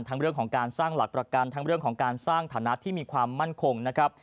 เรื่องของการสร้างหลักประกันทั้งเรื่องของการสร้างฐานะที่มีความมั่นคงนะครับ